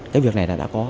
cái việc này đã có